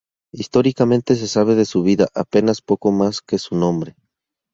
Históricamente se sabe de su vida apenas poco más que su nombre.